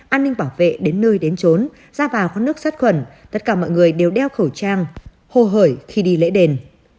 an ninh bảo vệ đến nơi đến trốn ra vào kho nước sát khuẩn tất cả mọi người đều đeo khẩu trang hồ hởi khi đi lễ đền